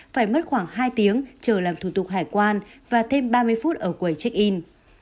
phải mất khoảng hai tiếng chờ làm thủ tục hải quan và thêm ba mươi phút ở quầy check in